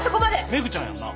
廻ちゃんやんな？